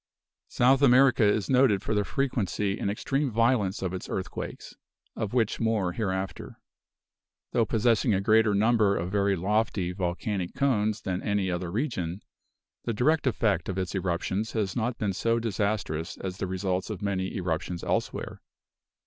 South America is noted for the frequency and extreme violence of its earthquakes; of which more hereafter. Though possessing a greater number of very lofty volcanic cones than any other region, the direct effect of its eruptions have not been so disastrous as the results of many eruptions elsewhere.